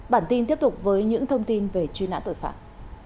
bản tin tiếp tục với những thông tin về truy nã tội phạm